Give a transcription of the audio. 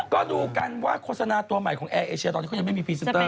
ก็ดูกันว่าโฆษณาตัวใหม่ของแอร์เอเชียตอนนี้เขายังไม่มีพรีเซนเตอร์